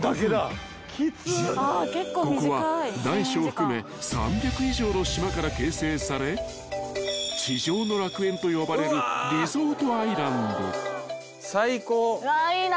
［ここは大小含め３００以上の島から形成され地上の楽園と呼ばれるリゾートアイランド］わいいな。